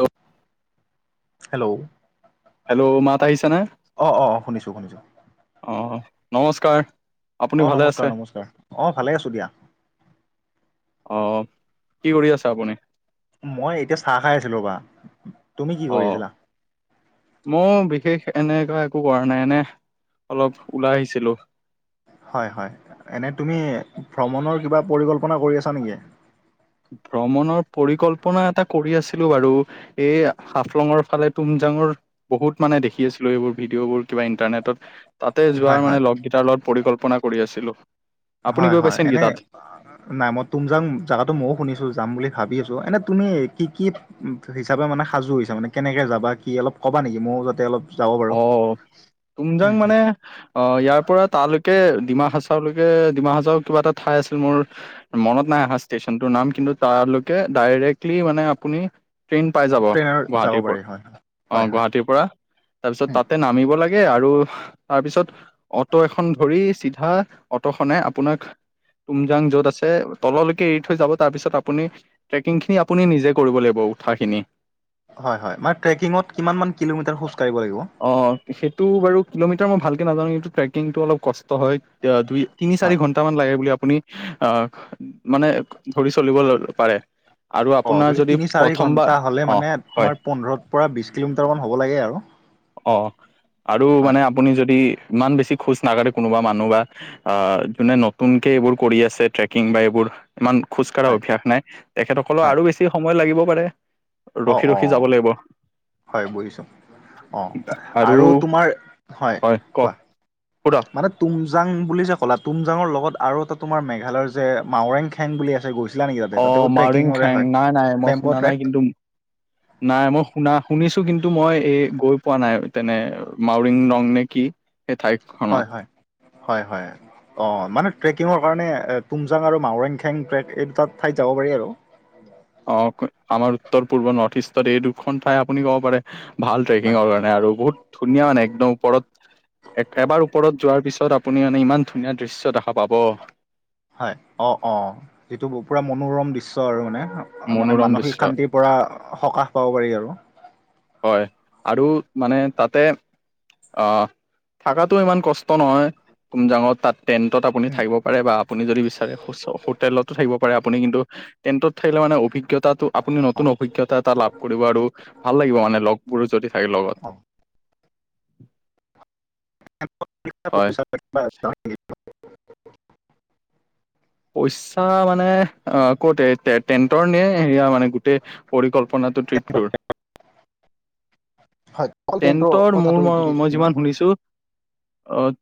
Hello hello! Hello, মাত আহিছে নে? অঁহ অঁহ অ শুনিছোঁ - শুনিছোঁ। অহ নমস্কাৰ। আপুনি অঁহ ভালে আছে নমস্কাৰ- নমস্কাৰ, অঁহ ভালে আছোঁ দিয়া অঁহ, কি কৰি আছে আপুনি? মই এতিয়া চাহ খাই আছিলো ৰবা, তুমি কি কৰিছিলা? মই বিশেষ এনেকা একো কৰা নাই এনে অলপ ওলাই আহিছিলো হয়, হয় এনেই তুমি ভ্ৰমণৰ কিবা পৰিকল্পনা কৰি আছা নেকি? ভ্ৰমণৰ পৰিকল্পনা এটা কৰি আছিলো বাৰু এই হাফলঙৰ ফালে, তুমজাঙৰ বহুত মানে দেখি আছিলো এইবোৰ ভিডিঅ'বোৰ কিবা ইন্টাৰনেটত তাতে হয় যোৱাৰ হয় মানে লগগিটাৰ লগত পৰিকল্পনা কৰি আছিলো আপুনি হয়, গৈ হয় পাইছে নেকি এনে তাত নাই মই তুমযাং জাগাতো মইও শুনিছো যাম বুলি ভাবি আছো, এনে তুমি কি কি হিচাপে মানে সাজু হৈছা মানে কেনেকে যাবা কি অলপ কবা নেকি? মইও যাতে অলপ যাব পাৰো অ, তুমজাং মানে অ, ইয়াৰ পৰা তালৈকে ডিমা হাচাওলৈকে ডিমা হাচাওৰ কিবা এটা ঠাই আছিল মোৰ মনত নাই অহা ষ্টেচনটোৰ নাম, কিন্তু তালৈকে ডাইৰেক্টলি মানে আপুনি', ট্ৰেইন পাই যাব, ট্ৰেইনত যাব গুৱাহাটীৰ প', পাৰি হয় হয় -অ', হয় গুৱাহাটীৰ পৰা', তাৰপিছত হয় তাতে নামিব লাগে আৰু তাৰপিছত', অ'টো এখন ধৰি চিধা অটোখনে আপোনাক তুমজাং য'ত আছে তললৈকে এৰি থৈ যাব, তাৰপিছত আপুনি ট্ৰেকিংখিনি আপুনি নিজে কৰিব লাগিব উঠাখিনি হয়', - হয়', মানে ট্ৰেকিঙত কিমানমান কিলোমিটাৰ খোজকাঢ়িব লাগিব? অ', সেইটো বাৰু কিলোমিটাৰ মই ভালকে নাজানোঁ কিন্তু ট্ৰেকিংটো অলপ কষ্ট হয় অ', দুই', তিনি হয় -চাৰি ঘণ্টা মান লাগে বুলি আপুনি আহ', মানে ধৰি চলিব পাৰে', আৰু অ', আপোনাৰ যদি তিনি- চাৰি প্ৰথমবাৰ ঘণ্টা হ'লে অ' মানে হয় তোমাৰ পোন্ধৰৰ পৰা বিশ কিলোমিটাৰ মান হ'ব লাগে আৰু? অ', আৰু হয় মানে আপুনি যদি ইমান বেছি খোজ নাকাৰে কোনোবা মানুহ বা', অ', যোনে নতুনকে এইবোৰ কৰি আছে ট্ৰেকিং বা এইবোৰ', ইমান খোজকাঢ়াৰ হয় অভ্যাস নাই তেখেতসকলৰ হয় আৰু বেছি সময় লাগিব পাৰে', অ ৰখি অ -ৰখি যাব লাগিব', হয় বুজিছোঁ', অ', আৰু তোমাৰ হয় কোৱা পুৰক মানে', তুমজাং বুলি যে ক'লা, তুমজাঙৰ লগত আৰু এটা তোমাৰ মেঘালয়ৰ যে মাওৰেং খেং বুলি আছে গৈছ', অ', মাওৰেং খেং নাই- নাই মই বেম্ব' শুনা নাই ট্ৰেক কিন্তু ম', নাই মই শুনা- শুনিছোঁ কিন্তু মই এই গৈ পোৱা নাই তেনে মাউৰিং ৰং নে কি? সেই ঠাইখনত হয়', - হয়', - হয়', - হয়', অঁ', মানে ট্ৰেকিঙৰ কাৰণে এ', তুমজাং আৰু মাওৰেং খেং ট্ৰেক এই দুটা ঠাইত যাব পাৰি আৰু', অ', আমাৰ উত্তৰ-পূৰ্ব নৰ্থ ইষ্টত এই দুখন ঠাই আপুনি ক'ব পাৰে', ভাল হয় ট্ৰেকিঙৰ কাৰণে আৰু বহুত ধুনীয়া মানে একদম ওপৰত, এক', - এবাৰ ওপৰত', যোৱাৰ পিছত আপুনি মানে ইমান ধুনীয়া দৃশ্য দেখা পাব', হয়', অ', - অ', যিটো পুৰা মনোৰম দৃশ্য আৰু মানে, মানে মনোৰম দৃশ্য মানসিক শান্তিৰ', পৰা সকাহ পাব পাৰি আৰু', হয়', আৰু মানে তাতে', অ', থাকাটো ইমান কষ্ট নহয় তুমজাঙত তাত', টেণ্টত আপুনি উম, থাকিব পাৰে বা আপুনি যদি বিচাৰে হোচ', - হোটেলতো থাকিব পাৰে আপুনি কিন্তু', টেন্টত থাকিলে মানে অভিজ্ঞতাটো আপুনি নতুন অ' অভিজ্ঞতা এটা লাভ কৰিব আৰু ভাল লাগিব মানে', লগবোৰো যদি থাকে লগত', অ', টেণ্টত থাকিলে হয়। পইচা পাতি বা তাত কিমান লাগিব? পইচা মানে, অ', কতে টে', - টেণ্টৰ নে সেয়া মানে গোটেই', পৰিকল্পনাটো ট্ৰিপটোৰ', হয়', অকল ট্ৰেইনটোৰ টেণ্টৰ কথাটো মোৰ- যদি ম- মই জনা যিমান শুনিছোঁ', অ',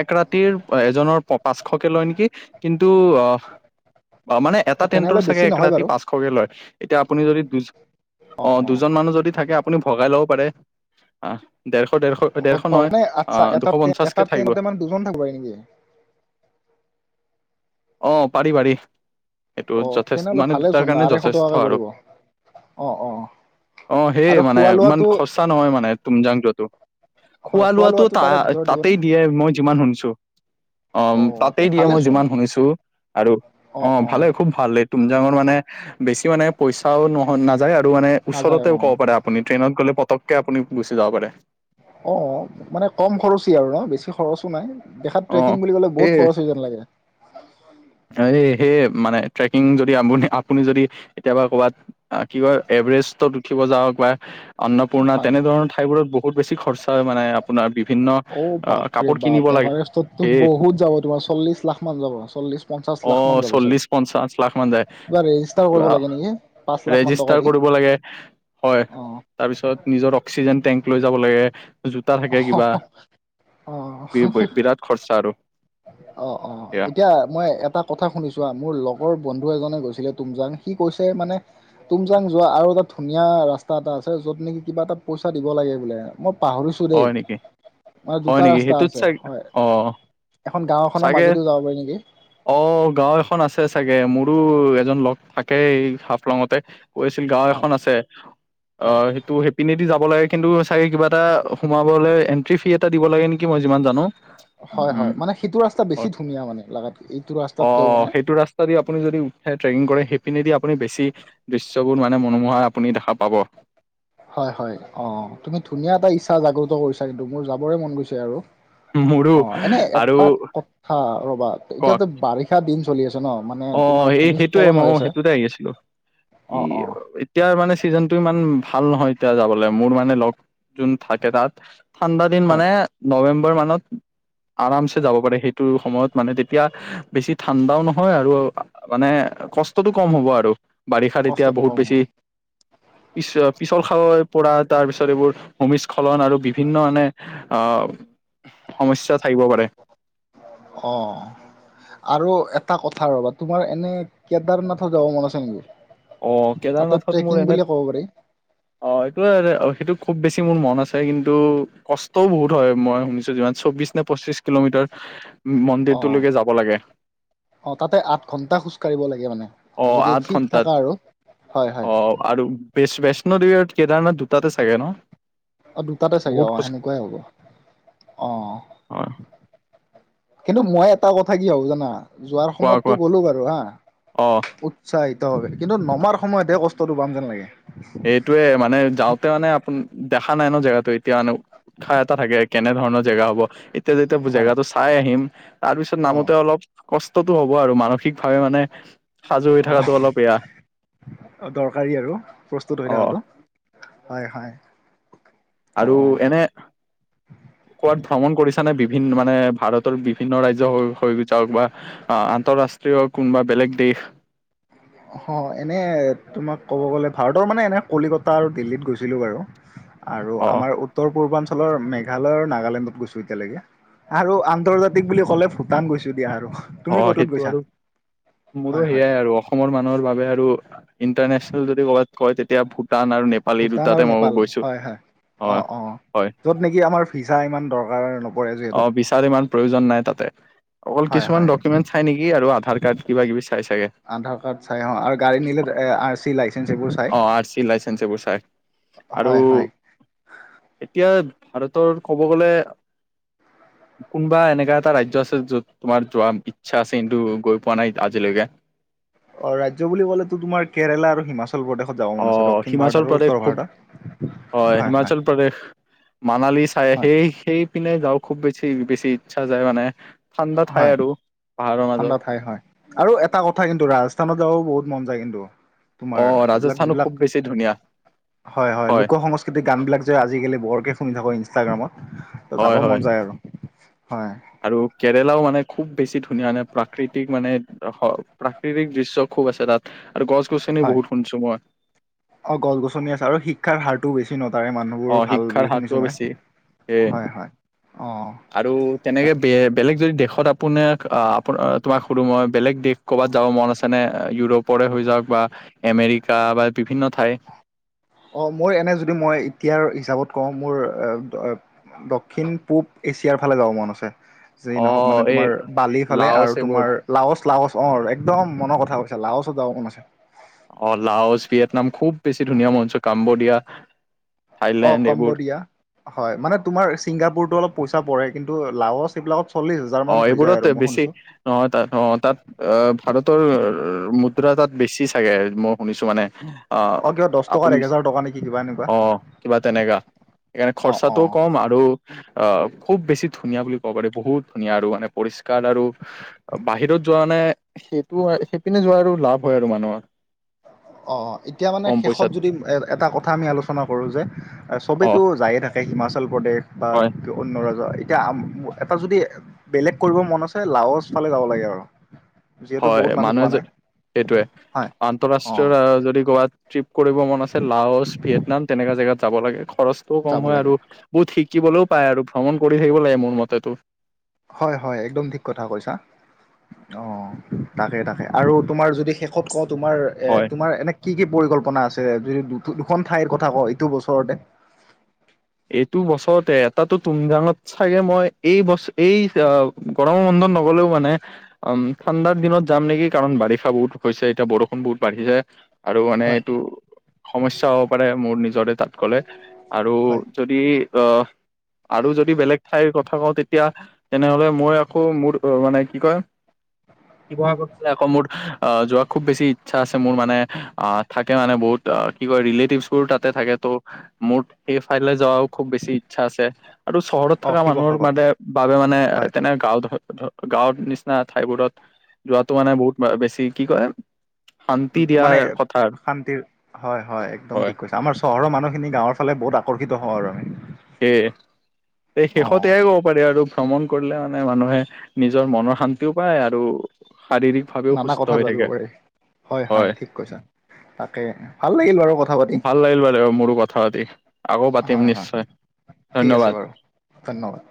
এক ৰাতিৰ এজনৰ প', পাঁচশকে লয় নেকি? কিন্তু অ', অ', মানে এটা তেনেহ'লে টেণ্টৰ বেছি চাগে এক নহয় বাৰু ৰাতি পাঁচশকে লয়, এতিয়া আপুনি যদি দুই', অ', দুজন মানুহ যদি থাকে আপুনি ভগাই লব পাৰে', অ', ডেৰশ-ডেৰশ, ডেৰশ নহয় মানে আচ্ছা আহ', এটা দুশ এটা পঞ্চাশকে থাকিব', ট্ৰেইনতে মানে দুজন থাকিব পাৰে নেকি? অ', পাৰি-পাৰি, এইটো অ যথেচ তেনেহ'লে মানে ভালেচোন দুটাৰ কাৰণে আঢ়ৈশ টকাকে যথেষ্ট পৰিব আৰু', অ', - অ', - অ', অ', সেই মানে ইমান খৰচা নহয় মানে তুমজাং যোৱাটো', হয় খোৱা লোৱাতো লোৱাটো তা', তাৰে - ভিতৰত দিবনে তাতেই দিয়ে মই যিমান শুনিছোঁ', অ', তে তাতেই দিয়ে মই ভালেচোন যিমান শুনিছোঁ আৰু অ', ভালে খুব ভালে', তুমজাঙৰ মানে বেছি মানে পইচাও নহয় নাযায় আৰু মানে নাযায় অ ওচৰতেও ক'ব পাৰে', আপুনি ট্ৰেইন গ'লে পটককে আপুনি গুচি যাব পাৰে', অঁ অ অ মানে কম খৰচী আৰু ন‌ বেছি খৰচো নাই দেখাত অ ট্ৰেকিং বুলি ক'লে বহুত খৰচ হৈ যেন লাগে। তা এই সেই মানে ট্ৰেকিং যদি আপুনি আপুনি যদি কেতিয়াবা ক'ৰবাত আহ কি কয় এভাৰেষ্টত উঠিব যাওক বা হে এ এ এ অন্নপূৰ্ণা হয় তেনেধৰণৰ ঠাইবোৰত বহুত বেছি খৰচা মানে আপোনাৰ বিভিন্ন', ও', আহ বাপ- ৰে কাপোৰ কিনিব -বাপ, লাগে এভাৰেষ্টতো এ বহুত যাব তোমাৰ চল্লিশ লাখ মান যাব চল্লিশ', পঞ্চাছ অ লাখ মান যাব চাগে চল্লিশ পঞ্চাশ লাখ মান যায় কিবা ৰেজিষ্টাৰ কিবা কৰিব লাগে নেকি পাচঁ', ৰেজিষ্টাৰ কৰিব লাগে এ হে হয়। অ তাৰপিছত নিজৰ অক্সিজেন টেংক লৈ যাব লাগে ইহ্ জোতা থাকে অ কিবা অ বি বিৰাট খৰচা আৰু অ অ অ অ সেয়া এতিয়া মই এটাত কথা শুনিছো আ মোৰ লগৰ বন্ধু এজনে গৈছিলে তুমজাং সি কৈছে মানে ইহ তুমজাং যোৱা আৰু এটা ধুনীয়া ৰাস্তা এটা আছে যত নেকি কিবা এটা পইচা দিব লাগে বোলে মপ পাহৰিচো হয় নেকি। হয় নেকি সেইটোত আছে চাগ হয় অ অ অ এখন গাঁও এখনৰ চাগে মাজেদিও যাব পাৰি নেকি অ অ অ ও গাঁও এখন আছে চাগে মোৰোও এজন লগ থাকে হাফলঙতে। কৈ আছিল গাঁও হয় এখন আছে অ হয় সেইটো সেইপিনে দি যাব লাগে কিন্তু চাগে কিবা এটা উফ সোমাবলৈ এণ্ট্ৰি ফ্ৰি এটা দিব লাগে নেকি মই যিমান জানো। হয় হয়, উম, মানে সেইটো ৰাস্তা বেছি হয় ধুনীয়া মানে লাগাত এইটো ৰাস্তাতকেও মানে তথাপিও আপুনি যদি উঠে ট্ৰেকিং কৰে সেইপিনেদি আপুনি বেছি ইহ দৃশ্যবোৰ মানে মনোমোহা আপুনি দেখা পাব। হয় হয়, অ অ তুমি ধুনীয়া এটা ইচ্ছা জাগ্ৰত কৰিছা কিন্তু মোৰ যাবৰে মন গৈছে আৰু মোৰো অ এনে আৰু এটা কথা ৰবা এতিয়াতো বাৰিষা দিন চলি আছে ন। মানে অ অ অ তোমাৰ এই সেইটোৱে ভূমিস্খলন মই হৈ আছে সেইটোতে আহি আছিলো। কি অ অ অ এতিয়া মানে ছিজনটো ইমান ভাল নহয় এতিয়া যাবলে মোৰ মানে লগ যোন থাকে তাত ছি ই ই ঠাণ্ডা দিন হয় মানে নৱেম্বৰ মানত আৰামছে যাব পাৰে সেইটো সময়ত। মানে তেতিয়া ই আহ্ বেছি ঠাণ্ডাও নহয় আৰু আ আ মানে কষ্টটো কম হ'ব আৰু বাৰিষাত এতিয়া কষ্টটো বহুত কম বেছি হয় পিছ পিছল খাব পৰাত তাৰপিছত এইবোৰ ভূমিস্খলন আৰু বিভিন্ন মানে এ হা হা আহ সমস্যা থাকিব পাৰে। অ অ অ অ। আৰু এটা কথা ৰবা তোমাৰ এনে কেদাৰনাথত যাব মন আছে নেকি? অ অ অ তাতে কেদাৰনাথত ট্ৰেকিং মোৰ এনে বুলি ক'ব পাৰি অ এইটোৱে আৰু সেইটো খুব বেছি মোৰ মন আছে কিন্তু কষ্টও বহুত হয় মই শুনিছো যিমান। চৌবিশ নে পঁচিশ কিলোমিটাৰ হে এ এ এ অ মন্দিৰটোলৈকে যাব লাগে। অ তাতে আঠ ঘন্টা খোজকাঢ়িব লাগে মানে অ যদি আঠ ফিট ঘন্টাত থাকা আৰু হয় হয়। অ আৰু বেচ বৈষ্ণদেৱী আৰু কেদাৰনাথ দুটাতে চাগে ন। অ দুটাতে চাগে বহুত অ খোজ সেনেকুৱাই হ'ব অ অ অ। হয় কিন্তু মই এটা কথা কি ভাবো জানা যোৱাৰ কোৱা সময়ততো কোৱা গ'লো বাৰু হা অ ঠাক উঠ উৎসাহিত ভাৱে কিন্তু নমাৰ সময়তেহে কষ্টটো পাম যেন লাগে। এইটোৱে মানে যাওঁতে মানে আপুন দেখা নাই ন জেগাটোৱে। এতিয়ানো উৎসাহ এটা থাকে কেনে ধৰণৰ জেগা হ'ব ই ই ই এতিয়া যে এতিয়া মই হয় জেগাটো চাই আহিম ইহ তাৰপিছত অ নামোতে অলপ কষ্টটো হ'ব আৰু মানসিকভাৱে মানে ই হি সাজু হৈ থাকাটো অলপ বেয়া। অঁ অ দৰকাৰী আৰু প্ৰস্তুত হৈ অ থাকাটো হয় হয়। অ আৰু অ এনে কোৱাত ভ্ৰমণ কৰিছা নে বিভিন্ন মানে ভাৰতৰ বিভিন্ন ৰাজ্য হৈ হৈ যাওক বা ই আহ্ আহ আন্তঃৰাষ্ট্ৰীয় কোনোবা বেলেগ দেশ। অ এনেই তোমাক ক'ব গ'লে ভাৰতৰ মানে এনে কলিকতা আৰু দিল্লীত গৈছিলোঁ বাৰু। [inaudible] আৰু অ আমাৰ উত্তৰ পূৰ্বাঞ্চলৰ মেঘালয় আৰু নাগালেণ্ডত গৈছো এতিয়ালৈকে। আৰু আন্তৰ্জাতিক বুলি ক'লে ভূটান গৈছো দিয়া আৰু। অ তুমি ক'তত সেইটো গৈছা আৰু মোৰো হয় হয় সেইয়াই আৰু অ অসমৰ মানুহৰ বাবে আৰু ইণ্টাৰনেচনেল যদি ক'ৰবাত কয় তেতিয়া ভূটান আৰু নেপ ভূটান আৰু নেপাল হয় হয়। অ হয় অ, হয় য'ত নেকি আমাৰ ভিছা ইমান দৰকাৰ নপৰে যিহেতু। তাৰ ইমান প্ৰয়োজন নাই তাতে অকল হয় কিছুমান হয় ডকুমেন্ট চাই নেকি আৰু আধাৰ কাৰ্ড কিবা-কিবি চাই চাগে। আধাৰ কাৰ্ড চাই আহ আৰু গাড়ী নিলে এ আৰ চি লাইচেঞ্চ অ আৰ চি লাইচেন্ঞ্চ এইবোৰ চাই। আৰু হয় হয় এতিয়া ভাৰতৰ কব গ'লে কোনোবা এনেকা এটা ৰাজ্য আছে যত তোমাৰ যোৱাৰ ইচ্ছা আছে কিন্তু গৈ পোৱা নাই আজিলৈকে। অ ৰাজ্য বুলি ক'লে তো তোমাৰ কেৰালা আৰু হিমাচল। চল প্ৰদেশত যাব অ মন আছে দক্ষিণ ভাৰত হিমাচল আৰু প্ৰদেশ উত্তৰ খুব ভাৰতৰ হয় হয়। প্ৰদেশ। মানালী চাই হয় সেই সেই পিনে যাওঁ খুব বেছি বেছি ইচ্ছা যায় মানে ঠাণ্ডা ঠাই আৰু পাহাৰৰ মাজত। ঠাণ্ডা হয় হয়। আৰু এটা কথা কিন্তু ৰাজস্থানত যাবও বহুত মন যায় কিন্তু। তোমাৰ অ এইবিলাক ৰাজস্থানো খুব যিবিলাক বেছি ধুনীয়া হয় হয় লোক সং স্কৃতি গান বিলাক যে আজিকালি বৰকে শুনি থাকো ইনষ্টাগ্ৰামত ত হয় যাব হয় মন যায় আৰু। হয়। আৰু কেৰেলাও মানে খুব বেছি ধুনীয়া মানে প্ৰাকৃতিক মানে প্ৰাকৃতিক দৃশ্য খুব আছে তাত। আৰু গছ গছনি হয় বহুত শুনছো মই। অ গছ গছনি আছে আৰু শিক্ষাৰ হাৰটো বেছি ন তাৰে মানুহ অ বোৰ ভাল শিক্ষাৰ বুলি হাৰটোও শুনিছো মই বেছি সেয়ে হয় হয় অ। আৰু ত তেনেকে বে বেলেগ যদি দেশত আপোনাৰ আপোন তোমাক সুধো মই বেলেগ দেশ। ক'ৰবাত যাব মন আছেনে ইউৰোপৰে হৈ যাওক বা আমেৰিকা বা বিভিন্ন ঠাই। অ মোৰ এনে যদি মই এতিয়াৰ হিচাপত কওঁ মোৰ দক্ষিণ পূৱ এছিয়াৰ ফালে যাব মন আছে। যিয়ে অ নহওক মানে এই তোমাৰ বালি ফালে লাওচ আৰু এইবোৰ তোমাৰ। লাওচ লাওচ অ আৰু একদম মনৰ কথা কৈছে লাওচত যাব মন আছে। অ লাওচ ভিয়েটনাম খুব বেছি ধুনীয়া মঞ্চ কাম্বোডিয়া অ থাইলেণ্ড এইবোৰ কম্বোডিয়া। হয় মানে তোমাৰ ছিংগাপুৰতো অলপ পইচা পৰে কিন্তু লাৱছ এইবিলাক চল্লিছ হাজাৰ অ মানত হৈ যায় এইবোৰত আৰু মই বেছি শুনিছো অ তাত অ তাত আহ ভাৰতৰ মুদ্ৰা তাত বেছি চাগে মই শুনিছো মানে। অ কিবা দহ টকাত আপুনি এক হেজাৰ টকা নেকি কিবা এনেকুৱা অ কিবা তেনেকা। সেইকাৰণে অ খৰচাটোও অ কম আৰু অ খুব বেছি ধুনীয়া বুলি ক'ব পাৰি বহুত ধুনীয়া আৰু মানে পৰিষ্কাৰ আৰু বাহিৰত যোৱা নে সেইটো সেইপিনে যোৱাৰ আৰু লাভ হয় আৰু মানুহৰ। অ এতিয়া মানে কম শেষত পইচাত যদি এটা কথা আমি আলোচনা কৰো যে অ চবেতো যায়ে থাক। শেষ হিমাচল প্ৰদেশ বা হয় অন্য ৰাজ্যৰ এতিয়া এটা যদি। বেলেগ কৰিব মন আছে লাওছ ফালে জাব লাগে আৰু যিহেতু হয় বহুত মানুহ যোৱা মানুহে নাই এইটোৱে হয় অ' আন্তঃৰাষ্ট্ৰীয় যদি গোৱাত, ট্ৰিপ কৰিব মন আছে লাহচ, ভিয়েটনাম তেনেকুৱা জেগাত যাব লাগে খৰচটোও কম যাব হয় লাগে আৰু বহুত শিকিবলৈও পায় আৰু ভ্ৰমণ কৰি থাকিব লাগে মোৰ মতেতো। হয় হয় একদম ঠিক কথা কৈছা। অ তাকে তাকে আৰু তোমাৰ যদি শেষত কওঁ তোমাৰ। হয় এ তোমাৰ এনে কি কি পৰিকল্পনা আছে যদি দু দুখন ঠাইৰ কথা কও এইটো বছৰতে। এইটো বছৰতে এটাটো তুমজাঙত, চাগে মই এই ব এই গৰম বন্ধন নগলেও মানে উম ঠাণ্ডাৰ দিনত যাম নেকি কাৰণ বাৰিষা বহুত হৈছে এতিয়া বৰষুণ বহুত বাঢ়িছে আৰু মানে হয় এইটো সমস্যা হ'ব পাৰে মোৰ নিজৰে তাত গলে আৰু হয় যদি অহ আৰু যদি বেলেগ ঠাইৰ কথা কওঁ তেতিয়া তেনেহলে মই আকৌ মোৰ মানে কি কয়। শিৱসাগৰ ফালে আকৌ মোৰ যোৱা খুব বেছি ইচ্ছা আছে মোৰ মানে আহ থাকে মানে বহুত। অ কি কয় ৰিলেটিভছ বোৰো তাতে থাকে ত' মোৰ সেই ঠাইলৈ যোৱাও খুব বেছি ইচ্ছা আছে। আৰু চহৰত অ' থকা মানুহৰ শিৱসাগৰ মানে বাবে মানে হয় তেনে গাও ধৰ গাঁৱৰ নিচিনা ঠাইবোৰত যোৱাটো মানে বহুত বেছি কি কয় শান্তি দিয়া মানে কথা শান্তিৰ হয়- হয় একদম ঠিক কৈছা আমাৰ চহৰৰ মানুহখিনি গাঁৱৰ ফালে বহুত আকৰ্ষিত হও আৰু আমি সেই এই অ শেষত এয়াই কব পাৰি আৰু ভ্ৰমণ কৰিলে মানে মানুহে নিজৰ মনৰ শান্তিও পায় আৰু শাৰীৰিক ভাৱেও নানা সুস্থ কথা হৈ জাবিব থাকে পাৰি হয়- হয় ঠিক কৈছা তাকে ভাল লাগিল বাৰু কথা পাতি ভাল লাগিল বাৰু মোৰো কথা পাতি আকৌ পাতিম হয়- নিশ্চয় হয় ঠিক ধন্যবাদ আছে বাৰু, ধন্যবাদ।